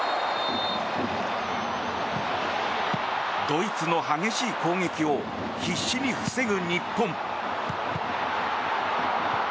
ドイツの激しい攻撃を必死に防ぐ日本。